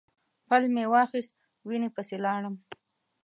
پل مې واخیست وینې پسې لاړم.